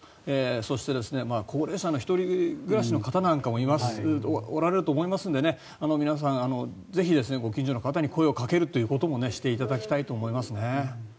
そして高齢者の１人暮らしの方なんかもおられると思いますので皆さん、ぜひご近所の方に声をかけるということもしていただきたいと思いますね。